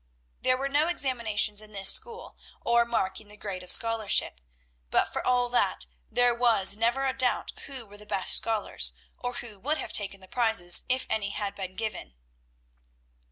There were no examinations in this school, or marking the grade of scholarship; but for all that, there was never a doubt who were the best scholars, or who would have taken the prizes if any had been given.